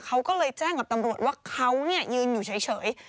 เขาก็เลยแจ้งกับตำรวจว่าเขายืนอยู่เฉย